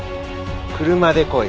車で来い。